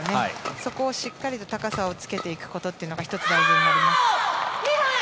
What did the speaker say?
そこをしっかりと高さをつけていくことというのが１つ大事になります。